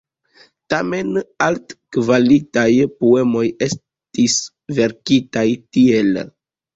Tamen altkvalitaj poemoj estis verkitaj tiel.